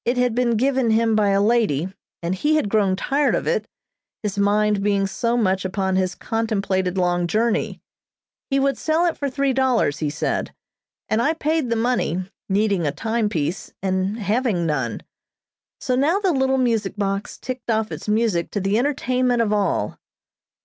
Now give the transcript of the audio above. It had been given him by a lady, and he had grown tired of it, his mind being so much upon his contemplated long journey. He would sell it for three dollars, he said, and I paid the money, needing a time piece, and having none. So now the little music box ticked off its music to the entertainment of all.